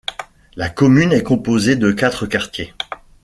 La commune est composée de quatre quartiers.